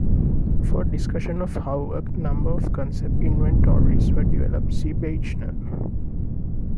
For a discussion of how a number of concept inventories were developed see Beichner.